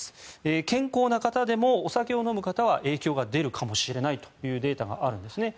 健康な方でもお酒を飲む方は影響が出るかもしれないというデータがあるということです。